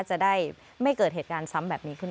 จะได้ไม่เกิดเหตุการณ์ซ้ำแบบนี้ขึ้น